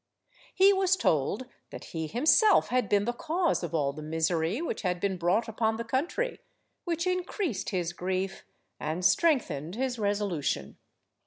He was told that he himself had been the cause of all the misery which had been brought upon the country, which increased his grief and strengthened his resolution.